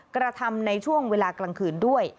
กระทำในช่วงเวลากลางคืนด้วย